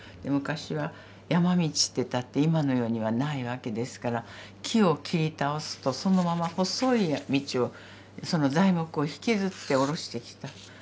昔は山道っていったって今のようにはないわけですから木を切り倒すとそのまま細い道をその材木を引きずって下ろしてきた。